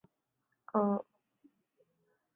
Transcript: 巴舒亚伊出生于比利时首都布鲁塞尔。